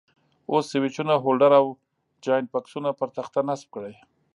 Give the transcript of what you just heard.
اوس سویچونه، هولډر او جاینټ بکسونه پر تخته نصب کړئ.